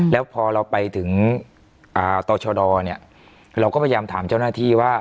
แล้วพอเราไปถึงต่อชดเนี่ยเราก็พยายามถามเจ้าหน้าที่ว่า